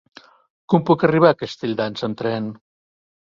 Com puc arribar a Castelldans amb tren?